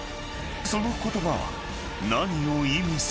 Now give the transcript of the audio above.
［その言葉は何を意味するのか？］